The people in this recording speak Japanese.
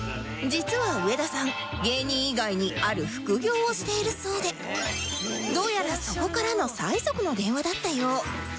実は上田さん芸人以外にある副業をしているそうでどうやらそこからの催促の電話だったよう